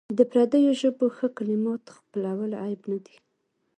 د پردیو ژبو ښه کلمات خپلول عیب نه دی.